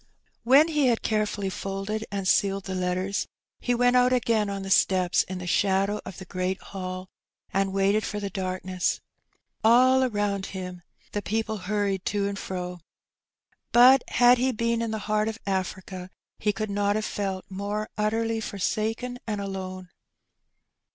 When he had carefully folded and sealed the letters, he went out again on the steps in the shadow of the great Hall, and waited for the darkness. All around him the people hurried to and fto. But had he been in the heart of Africa he could not have felt more utterly forsaken and alone.